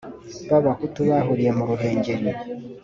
b abahutu bahuriye mu ruhengeri